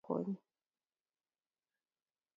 kibirgeii Cherop ago Kibet agoi kekwongyo